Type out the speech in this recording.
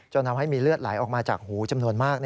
ทำให้มีเลือดไหลออกมาจากหูจำนวนมาก